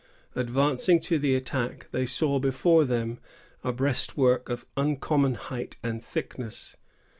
Advancing to the attack, they saw before them a breastwork of uncommon height and thickness.